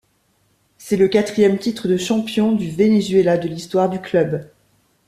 C'est le quatrième titre de champion du Venezuela de l'histoire du club.